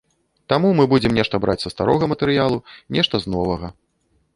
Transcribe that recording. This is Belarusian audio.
Таму мы будзем нешта браць са старога матэрыялу, нешта з новага.